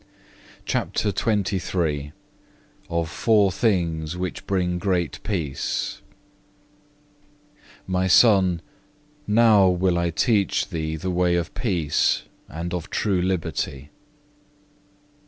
(1) Acts v. 41. CHAPTER XXIII Of four things which bring great peace "My Son, now will I teach thee the way of peace and of true liberty."